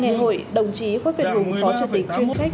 ngày hội đồng chí quốc viện rủng phó chủ tịch chuyên trách